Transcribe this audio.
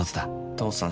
父さん